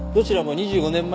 ２５年前。